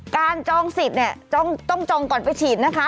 จองสิทธิ์เนี่ยต้องจองก่อนไปฉีดนะคะ